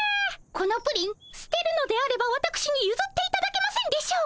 このプリンすてるのであればわたくしにゆずっていただけませんでしょうか？